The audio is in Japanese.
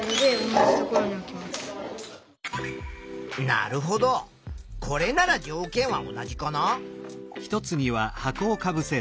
なるほどこれなら条件は同じかな？